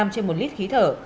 trên một lít khí thở